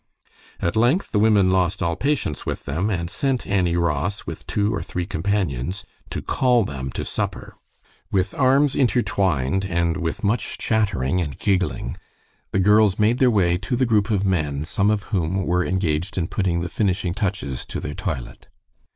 At length the women lost all patience with them, and sent Annie Ross, with two or three companions, to call them to supper. With arms intertwined, and with much chattering and giggling, the girls made their way to the group of men, some of whom were engaged in putting the finishing touches to their toilet.